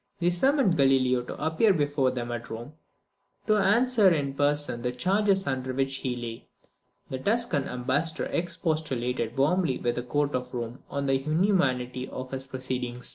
They summoned Galileo to appear before them at Rome, to answer in person the charges under which he lay. The Tuscan ambassador expostulated warmly with the court of Rome on the inhumanity of this proceeding.